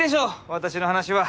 私の話は。